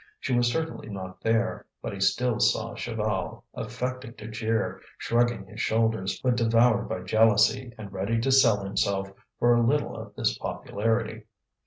She was certainly not there, but he still saw Chaval, affecting to jeer, shrugging his shoulders, but devoured by jealousy and ready to sell himself for a little of this popularity.